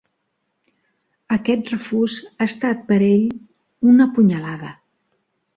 Aquest refús ha estat per a ell una punyalada.